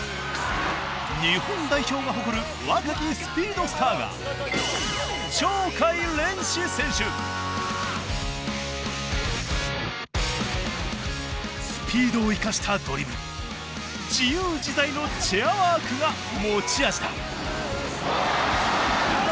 日本代表が誇るスピードを生かしたドリブル自由自在のチェアワークが持ち味だ。